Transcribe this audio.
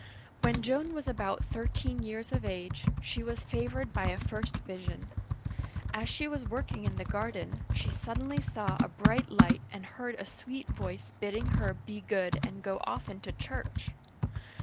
When Joan was about thirteen years of age, she was fa vored by a first vision : as she was working in the garden, she suddenly saw a bright light and heard a sweet voice bidding her be good and go often to church.